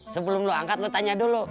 sebelum lo angkat lu tanya dulu